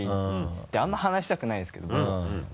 あんまり話したくないんですけど僕が。